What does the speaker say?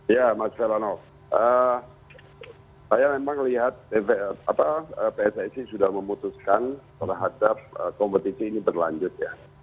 ya mas verano saya memang melihat pssi sudah memutuskan terhadap kompetisi ini berlanjut